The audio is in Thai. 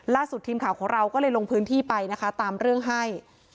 ทีมข่าวของเราก็เลยลงพื้นที่ไปนะคะตามเรื่องให้